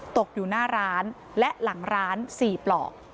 ตกอยู่หน้าร้านและหลังร้าน๔ปลอก